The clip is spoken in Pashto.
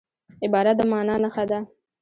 عبارت د مانا نخښه ده.